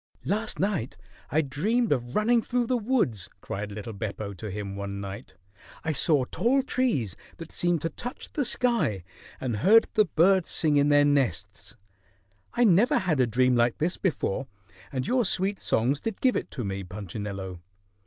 "Last night I dreamed of running through the woods," cried little Beppo to him one night. "I saw tall trees that seemed to touch the sky and heard the birds sing in their nests. I never had a dream like this before, and your sweet songs did give it to me, Punchinello.